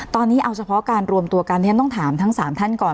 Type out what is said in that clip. ตอนนี้เอาเฉพาะการรวมตัวกันฉันต้องถามทั้ง๓ท่านก่อน